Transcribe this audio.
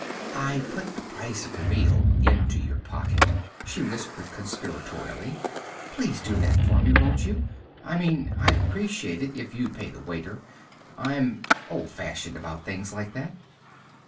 "I put the price of the meal into your pocket," she whispered conspiratorially. "Please do that for me, won't you? I mean I'd appreciate it if you'd pay the waiter I'm old fashioned about things like that."